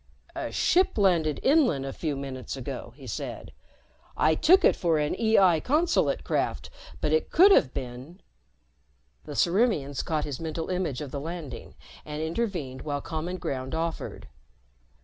"A ship landed inland a few minutes ago," he said. "I took it for an EI consulate craft, but it could have been " The Ciriimians caught his mental image of the landing and intervened while common ground offered.